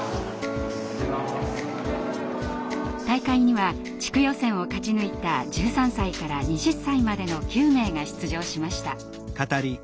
大会には地区予選を勝ち抜いた１３歳から２０歳までの９名が出場しました。